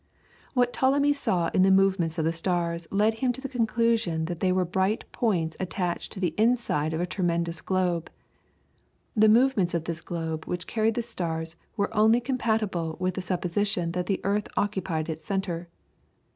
What Ptolemy saw in the movements of the stars led him to the conclusion that they were bright points attached to the inside of a tremendous globe. The movements of this globe which carried the stars were only compatible with the supposition that the earth occupied its centre.